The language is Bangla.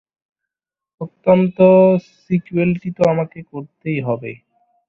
অন্তত সিক্যুয়েলটা তো আমাকেই করতে হবে।